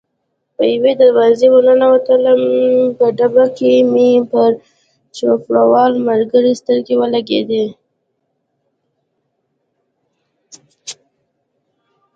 په یوې دروازې ور ننوتلم، په ډبه کې مې پر چوپړوال ملګري سترګې ولګېدې.